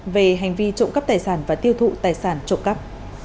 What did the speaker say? về hành vi trộm cắp tài sản và tiêu thụ tài sản trộm cắp